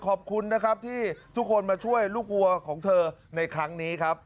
ขอบคุณนะครับที่ทุกคนมาช่วยลูกวัวของเธอในครั้งนี้ครับ